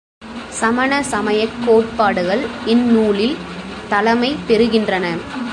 சமண சமயக் கோட்பாடுகள் இந்நூலில் தலைமை பெறுகின்றன.